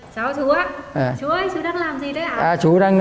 chào chú ạ chú ơi chú đang làm gì đấy ạ